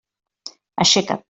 Aixeca't!